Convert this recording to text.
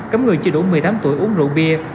cấm người chưa đủ một mươi tám tuổi uống rượu bia